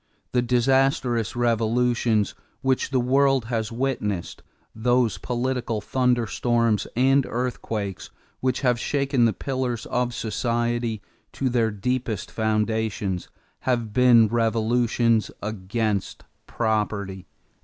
The disastrous revolutions which the world has witnessed, those political thunderstorms and earthquakes which have shaken the pillars of society to their deepest foundations, have been revolutions against property."